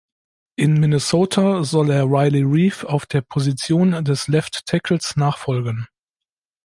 In Minnesota soll er Riley Reiff auf der Position des Left Tackles nachfolgen.